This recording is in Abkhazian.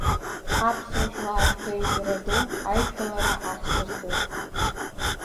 Аԥсуа жәлар реизара ду Аидгылара ахьӡырҵеит.